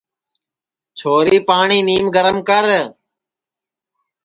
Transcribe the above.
چھوری پاٹؔی نیم گرم کر